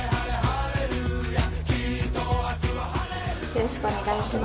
よろしくお願いします。